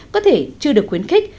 có thể chưa được khuyến khích